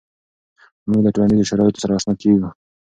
مونږ له ټولنیزو شرایطو سره آشنا کیږو.